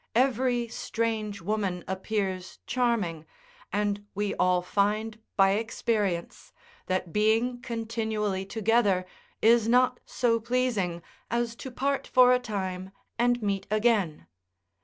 Every strange woman appears charming, and we all find by experience that being continually together is not so pleasing as to part for a time and meet again.